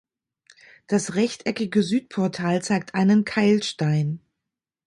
Das rechteckige Südportal zeigt einen Keilstein.